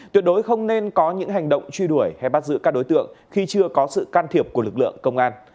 tuyệt đối không nên có những hành động truy đuổi hay bắt giữ các đối tượng khi chưa có sự can thiệp của lực lượng công an